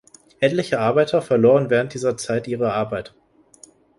Etliche Arbeiter verloren während dieser Zeit ihre Arbeit.